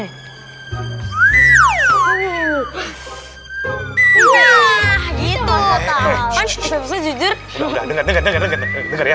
wah gitu ustadz ustadz jujur udah denger dengar ya